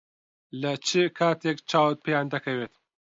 لە چ کاتێک چاوت پێیان دەکەوێت؟